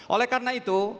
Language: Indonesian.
oleh karena itu